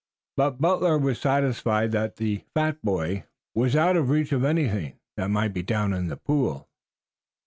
But Butler was satisfied that the fat boy was out of the reach of anything that might be down in the pool.